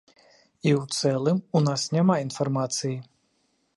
І ў цэлым, у нас няма інфармацыі.